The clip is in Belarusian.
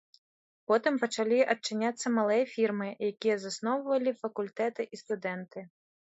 Потым пачалі адчыняцца малыя фірмы, якія засноўвалі факультэты і студэнты.